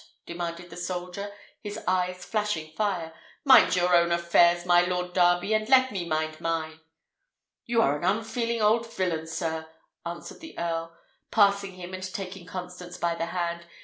demanded the soldier, his eyes flashing fire. "Mind your own affairs, my Lord Darby, and let me mind mine." "You are an unfeeling old villain, sir!" answered the earl, passing him and taking Constance by the hand.